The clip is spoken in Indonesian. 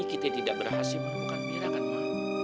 kita tidak berhasil membuka mira kan ma